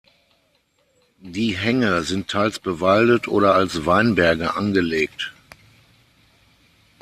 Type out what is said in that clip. Die Hänge sind teils bewaldet oder als Weinberge angelegt.